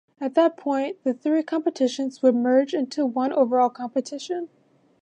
At that point, the three competitions would merge into one overall competition.